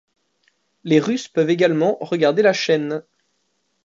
Les russes peuvent également regarder la chaine.